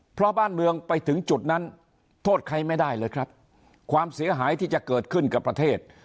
เพราะบ้านเมืองไปถึงจุดนั้นโทษใครไม่ได้เลยครับความเสียหายที่จะเกิดขึ้นกับประเทศ